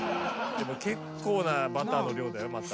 でも結構なバターの量だよまた。